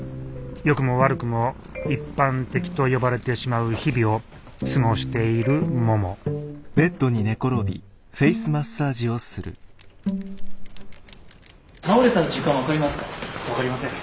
よくも悪くも一般的と呼ばれてしまう日々を過ごしているもも倒れた時間分かりますか？